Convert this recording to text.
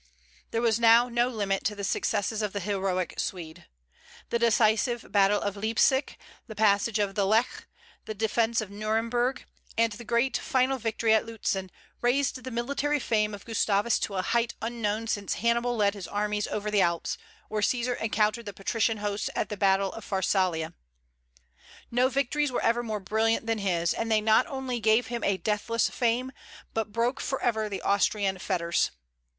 There was now no limit to the successes of the heroic Swede. The decisive battle of Leipsic, the passage of the Lech, the defence of Nuremberg, and the great final victory at Lutzen raised the military fame of Gustavus to a height unknown since Hannibal led his armies over the Alps, or Caesar encountered the patrician hosts at the battle of Pharsalia. No victories were ever more brilliant than his; and they not only gave him a deathless fame, but broke forever the Austrian fetters.